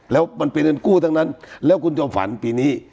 แล้วมันเป็นเงินกู้ทั้งนั้นแล้วคุณจอมฝันปีนี้